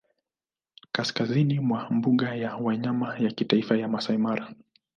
kaskazini mwa mbuga ya wanyama ya kitaifa ya Maasai Mara